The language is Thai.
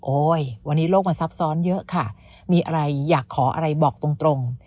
วันนี้โลกมันซับซ้อนเยอะค่ะมีอะไรอยากขออะไรบอกตรง